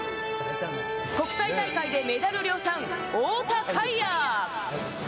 国際大会でメダル量産、太田海也。